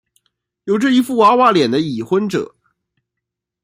有着一副娃娃脸的已婚者。